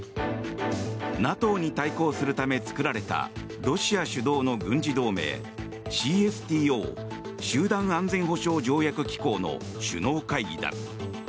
ＮＡＴＯに対抗するため作られたロシア主導の軍事同盟ＣＳＴＯ・集団安全保障条約機構の首脳会議だ。